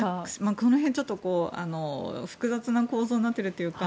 この辺、複雑な構造になっているというか